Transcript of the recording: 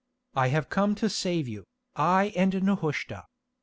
I have come to save you, I and Nehushta.